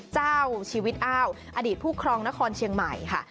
เจ้าชีวิตอ้าวอดีตผู้ครองนครเชียงใหม่ค่ะ